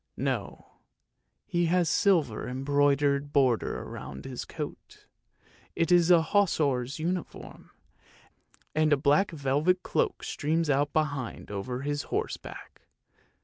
No, he has a silver embroidered border round his coat; it is a Hussar's uni form, and a black velvet cloak streams out behind over his horse's back!